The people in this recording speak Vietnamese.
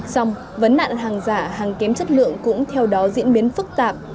xong vấn nạn hàng giả hàng kém chất lượng cũng theo đó diễn biến phức tạp